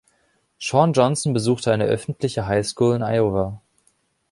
Shawn Johnson besuchte eine öffentliche High School in Iowa.